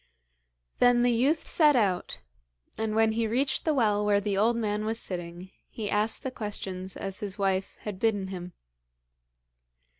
Then the youth set out, and when he reached the well where the old man was sitting he asked the questions as his wife had bidden him.